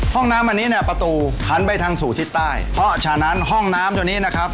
ห้องน้ำอันนี้เนี่ยประตูหันไปทางสู่ทิศใต้เพราะฉะนั้นห้องน้ำตัวนี้นะครับ